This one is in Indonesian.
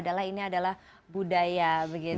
tapi ini adalah budaya begitu ya